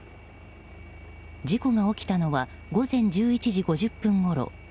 事故が起きたのは午前１１時５０分ごろ。